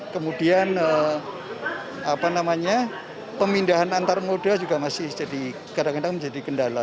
kemudian pemindahan antar moda juga masih jadi kadang kadang menjadi kendala